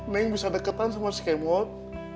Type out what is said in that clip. neng bisa deketan sama si kemot